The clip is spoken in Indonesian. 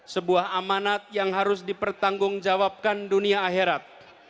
sebuah amanat yang harus dipertanggung jawabkan dunia akhirat